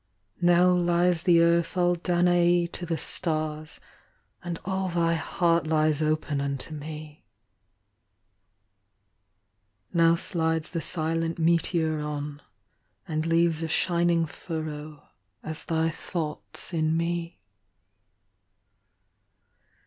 Now lies the Earth all Danaë to the stars, And all thy heart lies open unto me. Now slides the silent meteor on, and leavesA shining furrow, as thy thoughts in me.